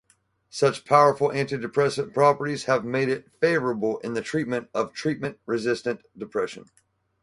Such powerful antidepressant properties have made it favorable in the treatment of treatment-resistant depression.